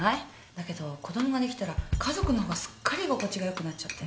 だけど子供ができたら家族のほうがすっかり居心地がよくなっちゃって。